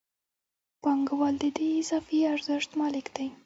پانګوال د دې اضافي ارزښت مالک دی